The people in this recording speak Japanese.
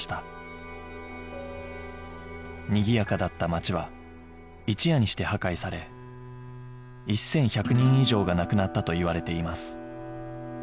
にぎやかだった街は一夜にして破壊され１１００人以上が亡くなったといわれています